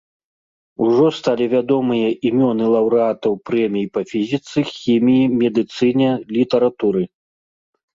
Ужо сталі вядомыя імёны лаўрэатаў прэмій па фізіцы, хіміі, медыцыне, літаратуры.